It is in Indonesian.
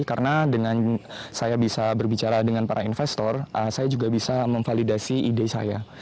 karena dengan saya bisa berbicara dengan para investor saya juga bisa memvalidasi ide saya